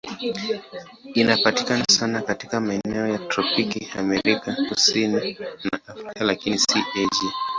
Inapatikana sana katika maeneo ya tropiki Amerika Kusini na Afrika, lakini si Asia.